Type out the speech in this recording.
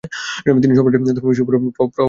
তিনি সম্রাটের ধর্মবিশ্বাসের উপর প্রভাব খাটাতেন।